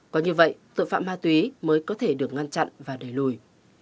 có như vậy tội phạm ma túy mới có thể được ngăn chặn và đẩy lùi